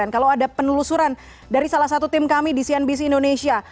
kalau ada penelusuran dari salah satu tim kami di cnbc indonesia